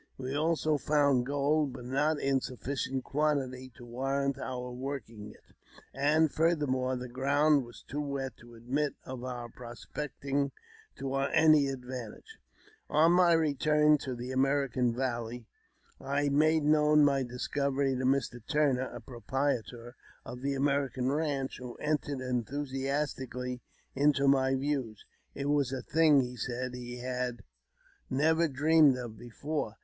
We also found gold, but not in sufficient quantity to warrant our working it ; and, furthermore, the ground was too wet to admit of our pro specting to any advantage. On my return to the American Valley, I made known my J discovery to a Mr. Turner, proprietor of the American Eanch, JAMES P. BECKWOUBTH. 425 ^4io entered enthusiastically into my views ; it was a thing, he €aid, he had never dreamed of before.